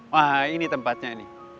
wah ini tempatnya ini